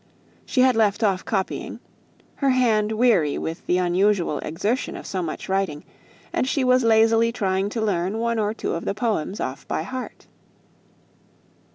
She had left off copying, her hand weary with the unusual exertion of so much writing, and she was lazily trying to learn one or two of the poems off by heart.